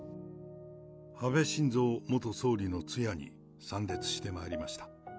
安倍晋三元総理の通夜に参列してまいりました。